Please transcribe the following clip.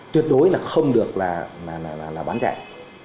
tuyệt đối là không được là bán chạy